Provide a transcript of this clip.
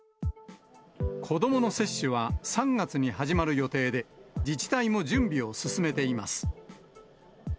子どもの接種は３月に始まる予定で、自治体も準備を進めています。